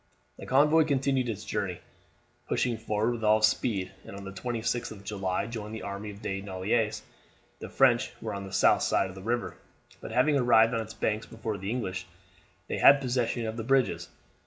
The convoy continued its journey, pushing forward with all speed, and on the 26th of July joined the army of De Noailles. The French were on the south side of the river, but having arrived on its banks before the English they had possession of the bridges.